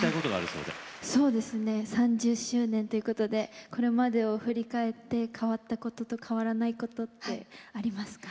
そうですね３０周年ということでこれまでを振り返って変わったことと変わらないことってありますか？